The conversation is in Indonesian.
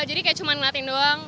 jadi kayak cuma ngeliatin doang